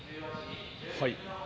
はい。